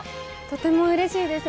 とてもうれしいです。